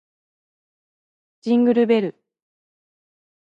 ジングルベル